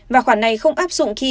và khoản này không áp dụng khi